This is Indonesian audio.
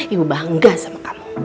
ibu bangga sama kamu